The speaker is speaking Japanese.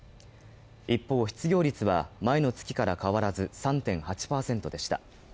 一方、失業率は前の月から変わらず３．８％でした。